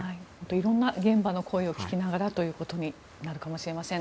色んな現場の声を聞きながらということになるかもしれません。